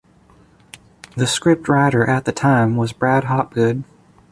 The script writer at the time was Brad Hopgood.